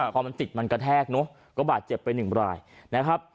พอมันติดมันกระแทกเนอะก็บาดเจ็บไปหนึ่งรายนะครับ